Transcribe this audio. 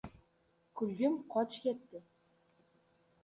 Kulgim qochib ketdi.